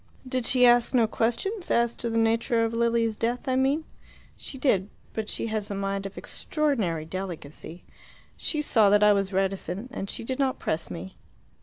"Did she ask no questions as to the nature of Lilia's death, I mean?" "She did. But she has a mind of extraordinary delicacy. She saw that I was reticent, and she did not press me.